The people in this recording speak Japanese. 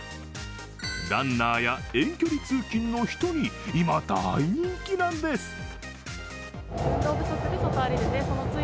ランナーや遠距離通勤の方に今、大人気なんです。